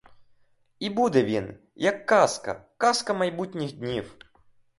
І буде він, як казка, казка майбутніх днів.